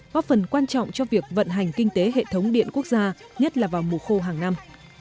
góp phần quan trọng cho việc vận hành kinh tế hệ thống điện quốc gia nhất là vào mùa khô hàng năm